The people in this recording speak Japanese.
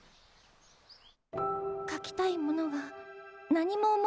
書きたいものが何も思い浮かばない。